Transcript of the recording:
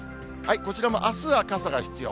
こちらもあすは傘が必要。